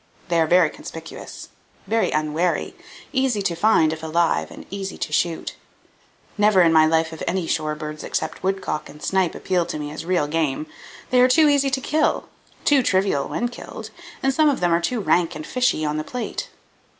They are very conspicuous, very unwary, easy to find if alive, and easy to shoot. Never in my life have any shore birds except woodcock and snipe appealed to me as real game. They are too easy to kill, too trivial when killed, and some of them are too rank and fishy on the plate.